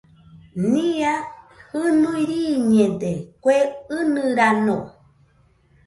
Nia jinui riiñede kue ɨnɨrano